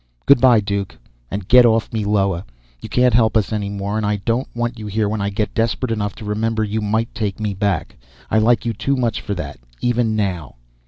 "Good by, Duke. And get off Meloa. You can't help us any more. And I don't want you here when I get desperate enough to remember you might take me back. I like you too much for that, even now."